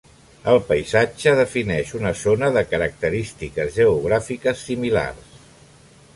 El paisatge defineix una zona de característiques geogràfiques similars.